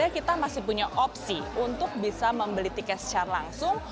kita masih punya opsi untuk bisa membeli tiket secara langsung